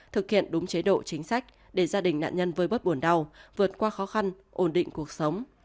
thực hiện đúng chế độ chính sách để gia đình nạn nhân vơi bớt buồn đau vượt qua khó khăn ổn định cuộc sống